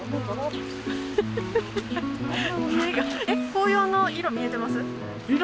紅葉の色見えてます？